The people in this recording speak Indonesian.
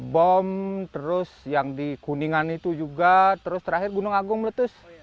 bom terus yang di kuningan itu juga terus terakhir gunung agung meletus